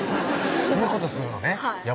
そんなことするのね